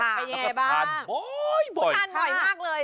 ไปอย่างไรบ้างแล้วก็ทานบ่อยค่ะทานบ่อยมากเลย